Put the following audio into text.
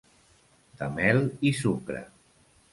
De mel i sucre.